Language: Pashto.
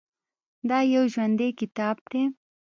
دا یو ژوندی کتاب دی.